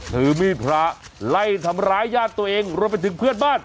ถือมีดพระไล่ทำร้ายญาติตัวเองรวมไปถึงเพื่อนบ้าน